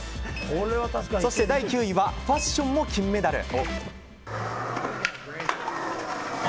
そして、第９位はファッションも金メダル。